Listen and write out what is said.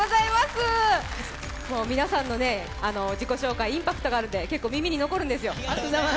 皆さんの自己紹介、インパクトがあるので結構、耳に残るんですよ。